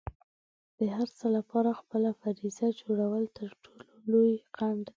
د هر څه لپاره خپله فرضیه جوړول تر ټولو لوی خنډ دی.